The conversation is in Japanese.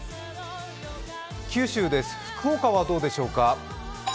九州・福岡はどうでしょうか。